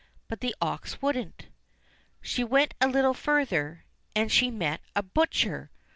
But the ox wouldn't. She went a little further, and she met a butcher.